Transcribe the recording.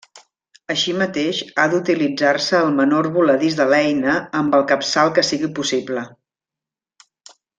Així mateix, ha d'utilitzar-se el menor voladís de l'eina amb el capçal que sigui possible.